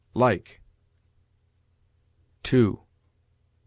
LIKE, TO.